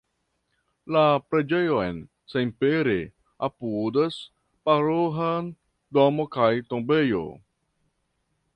La preĝejon senpere apudas paroĥa domo kaj tombejo.